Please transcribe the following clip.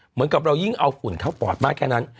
เหมือนกับเรายิ่งเอาฝุ่นเข้าปอดมากแค่นั้น